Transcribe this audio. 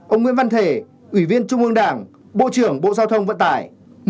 một mươi ông nguyễn văn thể ủy viên trung ương đảng bộ trưởng bộ giao thông vận tải